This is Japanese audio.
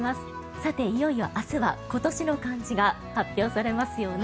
さて、いよいよ明日は今年の漢字が発表されますよね。